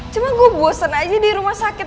cuma gue bosen aja di rumah sakit